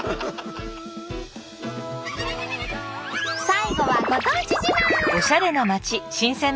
最後はご当地自慢。